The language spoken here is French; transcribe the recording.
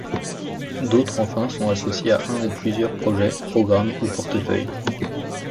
D'autres enfin sont associés à un ou plusieurs projets, programmes, ou portefeuilles.